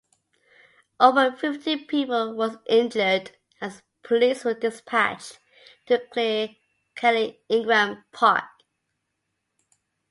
Over fifty people were injured as police were dispatched to clear Kelly Ingram Park.